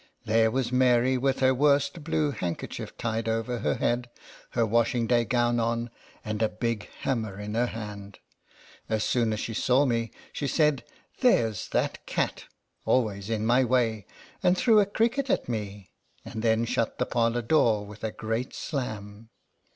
There was Mary with her worst blue handkerchief tied over her head, her washing day gown on, and a big hammer in her hand. As soon as she saw me, she said, " There 's that cat ! Always in my way/' and threw a cricket at me, and then shut the parlor door with a great slam.